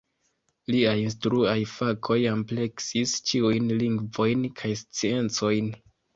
Liaj instruaj fakoj ampleksis ĉiujn lingvojn kaj sciencojn.